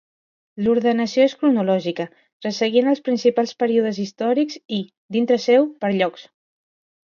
L'ordenació és cronològica, resseguint els principals períodes històrics i, dintre seu, per llocs.